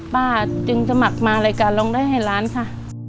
ป้าจึงสมัครมารายการร้องได้ให้ล้านค่ะ